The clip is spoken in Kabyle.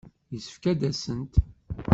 Yessefk ad d-asent.